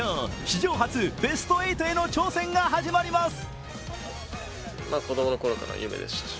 史上初、ベスト８への挑戦が始まります。